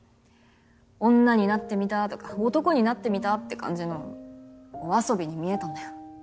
「女になってみた」とか「男になってみた」って感じのお遊びに見えたんだよ。